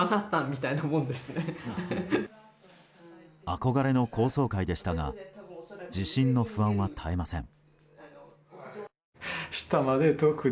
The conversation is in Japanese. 憧れの高層階でしたが地震の不安は絶えません。